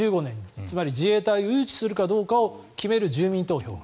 つまり自衛隊を誘致するかどうかを決める住民投票が。